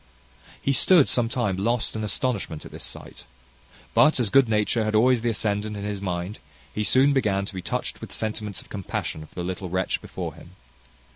He stood some time lost in astonishment at this sight; but, as good nature had always the ascendant in his mind, he soon began to be touched with sentiments of compassion for the little wretch before him.